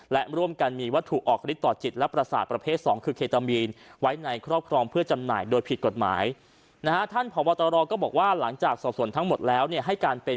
และร่วมกันมีวัตถุออกฤทธิตรต่อจิตและประสาทประเภทสองคือเคตามีน